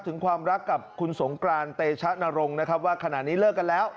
ถึงความรักกับคุณสงกรานเตชะนรงค์นะครับว่าขณะนี้เลิกกันแล้ว